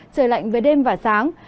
trời lạnh về đêm và sáng